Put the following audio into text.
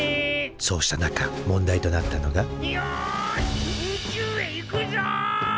そうした中問題となったのがよし宇宙へ行くぞ！